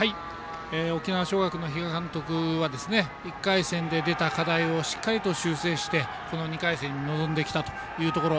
沖縄尚学の比嘉監督は１回戦で出た課題をしっかりと修正してこの２回戦に臨んできたというところ。